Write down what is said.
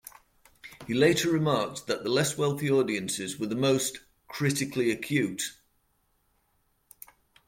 He later remarked that the less wealthy audiences were the most "critically acute".